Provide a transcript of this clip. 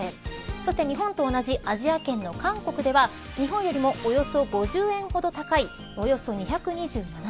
そして、日本と同じアジア圏の韓国では日本よりもおよそ５０円ほど高いおよそ２２７円。